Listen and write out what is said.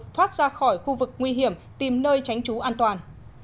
thoát ra khỏi khu vực nguy hiểm tìm nơi tránh trú an toàn